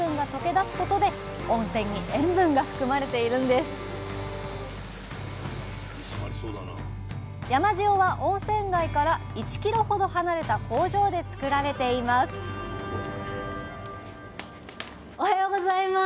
かつてこの地は海の底山塩は温泉街から１キロほど離れた工場でつくられていますおはようございます。